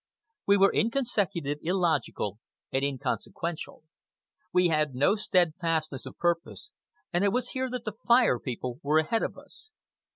We were inconsecutive, illogical, and inconsequential. We had no steadfastness of purpose, and it was here that the Fire People were ahead of us.